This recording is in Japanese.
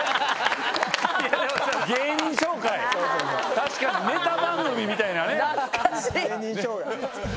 確かにネタ番組みたいなね。